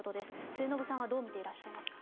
末延さんはどう見ていらっしゃいますか。